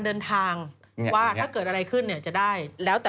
อ๋ออฮืม